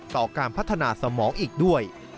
ต่อการพัฒนาสมองอีกด้วย